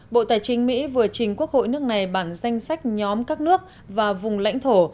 bộ tài chính mỹ vừa trình quốc hội nước này bản danh sách nhóm các nước và vùng lãnh thổ